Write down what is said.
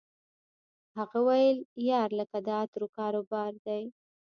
هغه ویل یار لکه د عطرو کاروبار دی